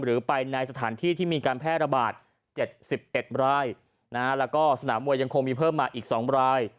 หรือไปในสถานที่ที่มีการแพร่ระบาด๗๑รายแล้วก็สนามมวยยังคงมีเพิ่มมาอีก๒ราย